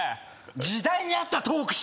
時代に合ったトークしろよ